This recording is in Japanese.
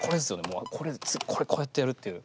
もうこれこうやってやるっていう。